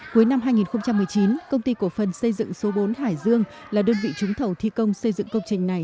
cuối năm hai nghìn một mươi chín công ty cổ phần xây dựng số bốn hải dương là đơn vị trúng thầu thi công xây dựng công trình này